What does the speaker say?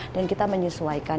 dan kita menyesuaikan